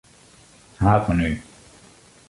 Haadmenu.